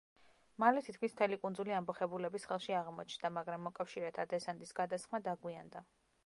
მალე თითქმის მთელი კუნძული ამბოხებულების ხელში აღმოჩნდა, მაგრამ მოკავშირეთა დესანტის გადასხმა დაგვიანდა.